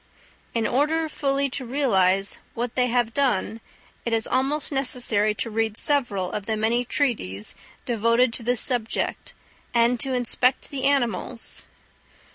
In order fully to realise what they have done it is almost necessary to read several of the many treatises devoted to this subject, and to inspect the animals.